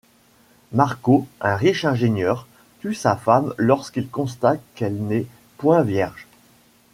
Marcos, un riche ingénieur, tue sa femme lorsqu'il constate qu'elle n'est point vierge.